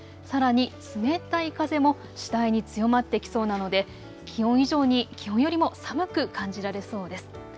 さらに、冷たい風も次第に強まってきそうなので気温以上に気温よりも寒く感じられそうです。